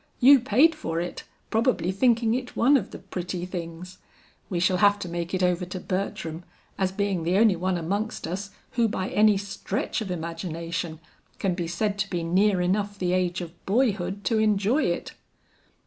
You paid for it; probably thinking it one of the 'pretty things.' We shall have to make it over to Bertram, as being the only one amongst us who by any stretch of imagination can be said to be near enough the age of boyhood to enjoy it."